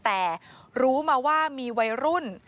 แต่รู้มาว่ามีวัยรุ่น